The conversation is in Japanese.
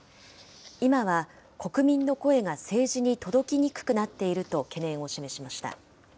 今は国民の声が政治に届きにくくなっていると懸念を示しました。